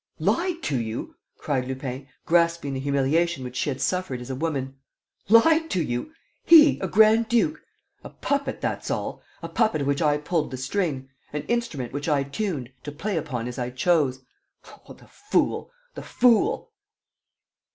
..." "Lied to you?" cried Lupin, grasping the humiliation which she had suffered as a woman. "Lied to you? He, a grand duke! A puppet, that's all, a puppet of which I pulled the string ... an instrument which I tuned, to play upon as I chose! Oh, the fool, the fool!"